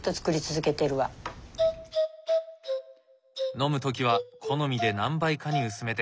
飲む時は好みで何倍かに薄めて。